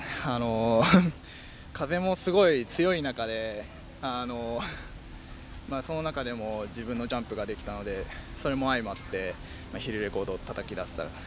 風もすごい強い中でその中でも自分のジャンプができたのでそれも相まってヒルレコードをたたき出せた。